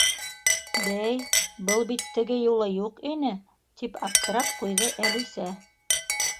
— Бәй, был бит теге юлы юҡ ине! — тип аптырап ҡуйҙы Әлисә.